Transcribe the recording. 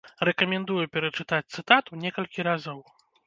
Рэкамендую перачытаць цытату некалькі разоў.